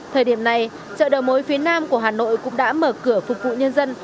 thời điểm này chợ đầu mối phía nam của hà nội cũng đã mở cửa phục vụ nhân dân